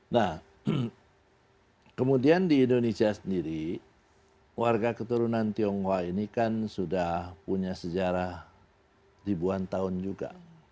nah kemudian di indonesia sendiri warga keturunan tionghoa ini kan sudah punya sejarah ribuan tahun juga